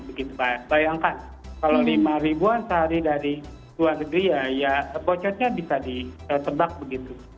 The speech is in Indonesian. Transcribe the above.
bayangkan kalau lima ribuan sehari dari luar negeri ya bocornya bisa ditebak begitu